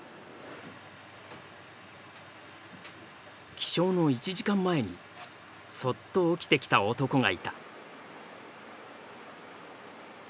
起床の１時間前にそっと起きてきた男がいた。